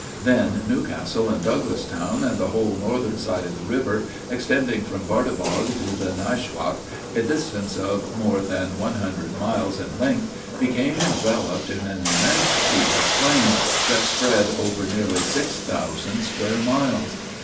Then New Castle and Douglasstown, and the whole northern side of the river, extending from Bartibog to the Naashwaak, a distance of more than one hundred miles in length, became enveloped in an immense sheet of flame, that spread over nearly six thousand square miles!